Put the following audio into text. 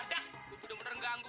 gak usur gue di umpat lagi